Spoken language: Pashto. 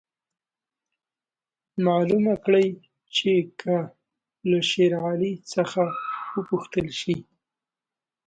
معلومه کړي چې که له شېر علي څخه وغوښتل شي.